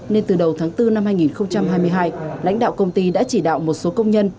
nên từ đầu tháng bốn năm hai nghìn hai mươi hai lãnh đạo công ty đã chỉ đạo một số công nhân